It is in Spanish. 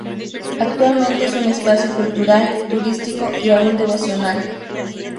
Actualmente es un espacio cultural, turístico y aún devocional.